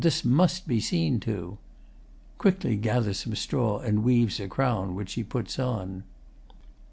This must Be seen to. [Quickly gathers some straw and weaves a crown, which she puts on.